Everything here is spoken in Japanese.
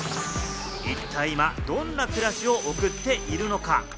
一体、今どんな暮らしを送っているのか？